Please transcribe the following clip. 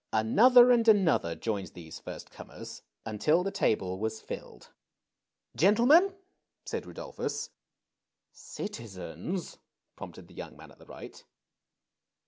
Another and another joined these first comers, until the table was filled. Gentlemen "— said Rudolphus. Citizens^'' prompted the young man at the right.